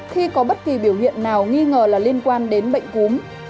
khi có bất kỳ biểu hiện nào nghi ngờ là liên quan đến bệnh cúm